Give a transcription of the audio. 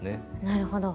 なるほど。